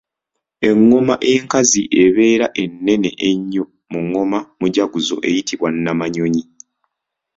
Engoma enkazi ebeera ennene ennyo mu ngoma mujaguzo eyitibwa Nnamanyonyi.